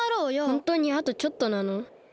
ホントにあとちょっとなの？